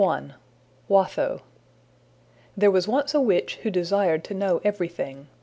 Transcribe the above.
] I. Watho THERE was once a witch who desired to know everything.